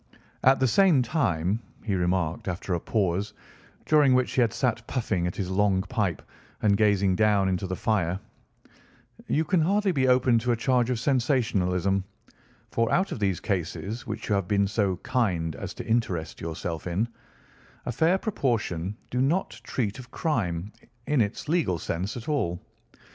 "At the same time," he remarked after a pause, during which he had sat puffing at his long pipe and gazing down into the fire, "you can hardly be open to a charge of sensationalism, for out of these cases which you have been so kind as to interest yourself in, a fair proportion do not treat of crime, in its legal sense, at all.